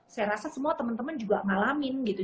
saya rasa semua temen temen juga ngalamin gitu